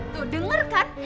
tuh denger kan